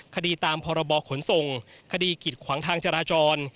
คดีตามพรบขนส่งคดีกิดขวางทางจราจร